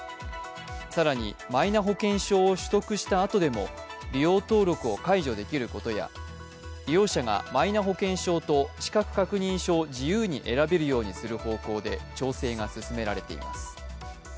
更に、マイナ保険証を取得したあとでも利用登録を解除できることや利用者がマイナ保険証と資格確認書を自由に選べるようにする方向で調整が進められています。